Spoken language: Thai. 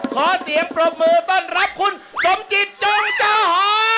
ขอเสียงปรบมือต้อนรับคุณสมจิตจงจอหอ